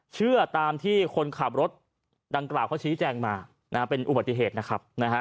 เชื่อตามที่คนขับรถดังกล่าวเขาชี้แจงมาเป็นอุบัติเหตุนะครับ